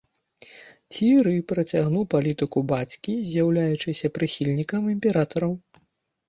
Цьеры працягнуў палітыку бацькі, з'яўляючыся прыхільнікам імператараў.